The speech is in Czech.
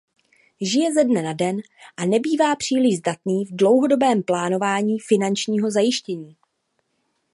Žije ze dne na den a nebývá příliš zdatný v dlouhodobém plánování finančního zajištění.